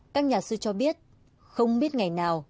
các nhà sư cho biết không biết ngày nào